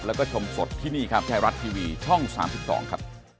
แล้วก็ชมสดที่นี่ครับไทยรัฐทีวีช่อง๓๒ครับ